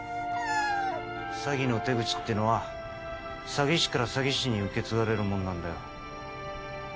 詐欺の手口ってのは詐欺師から詐欺師に受け継がれるもんなんだよ